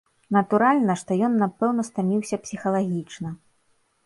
Натуральна, што ён напэўна стаміўся псіхалагічна.